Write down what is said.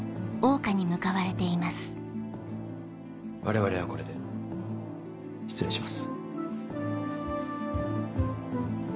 我々はこれで失礼します。